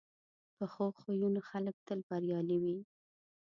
پخو خویو خلک تل بریالي وي